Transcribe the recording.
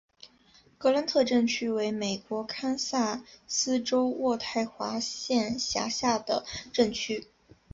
格兰特镇区为美国堪萨斯州渥太华县辖下的镇区。